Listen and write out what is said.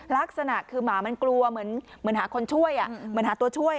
ลักษณะคือหมามันกลัวเหมือนหาคนช่วยเหมือนหาตัวช่วย